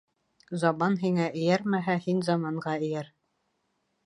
Заман һиңә эйәрмәһә, һин заманға эйәр.